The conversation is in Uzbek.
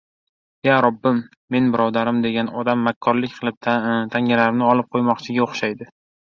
— Ya Robbim, men birodarim degan odam makkorlik qilib tangalarimni olib qo‘ymoqchiga o‘xshaydi.